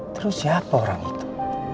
terus siapa orang itu